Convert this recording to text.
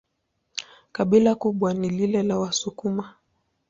Kabila kubwa ni lile la Wasukuma.